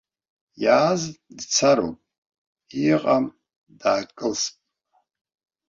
Иааз дцароуп, иҟам даакылсп.